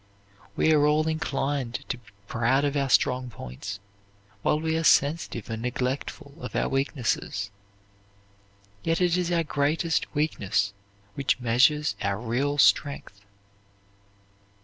We are all inclined to be proud of our strong points, while we are sensitive and neglectful of our weaknesses. Yet it is our greatest weakness which measures our real strength.